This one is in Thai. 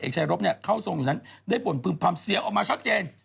ตรวจเอกชายรบเข้าทรงอยู่นั้นได้ปรุงพรรมเสียงออกมาช็อตเจน